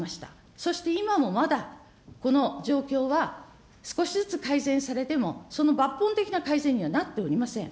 そして今もまだ、この状況は少しずつ改善されても、その抜本的な改善にはなっておりません。